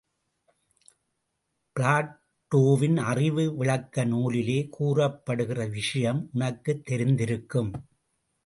பிளாட்டோவின் அறிவு விளக்க நூலிலே கூறப்படுகிற விஷயம் உனக்குத் தெரிந்திருக்கும்.